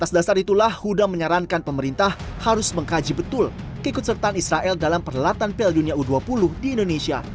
atas dasar itulah huda menyarankan pemerintah harus mengkaji betul keikutsertaan israel dalam perlatan piala dunia u dua puluh di indonesia